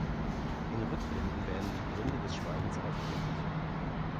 In Rückblenden werden die Gründe des Schweigens aufgedeckt.